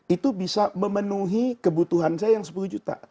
itu bisa memenuhi kebutuhan saya yang sepuluh juta